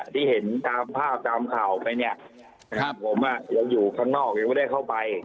ที่เห็นตามภาพตามข่าวไปเนี่ยนะครับผมยังอยู่ข้างนอกยังไม่ได้เข้าไป